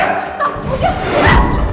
lihat di video selanjutnya